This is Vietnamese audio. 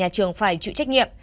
nhà trường phải chịu trách nhiệm